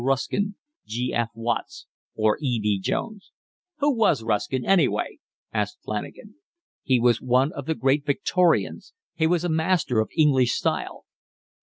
Ruskin, G. F. Watts, or E. B. Jones." "Who was Ruskin anyway?" asked Flanagan. "He was one of the Great Victorians. He was a master of English style."